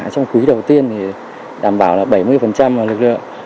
trong quý đầu tiên đảm bảo là bảy mươi lực lượng